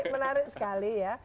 menarik sekali ya